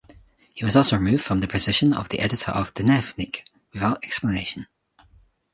He was also removed from the position of the editor of "Dnevnik" without explanation.